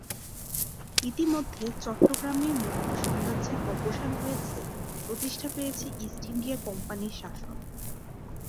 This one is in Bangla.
ইতোমধ্যে চট্টগ্রামে মোগল শাসনের অবসান হয়েছে, প্রতিষ্ঠা পেয়েছে ইস্ট ইন্ডিয়া কোম্পানির শাসন।